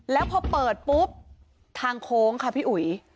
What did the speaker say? แล้วพอเปิดปุ๊บทางโค้งค่ะพี่อุ๋ย